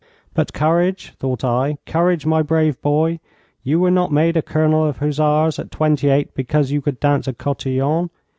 'But courage,' thought I. 'Courage, my brave boy! You were not made a Colonel of Hussars at twenty eight because you could dance a cotillon.